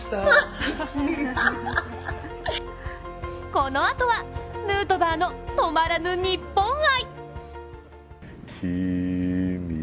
このあとは、ヌートバーの止まらぬ日本愛。